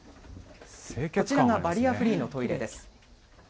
こちらがバリアフリーのトイレです。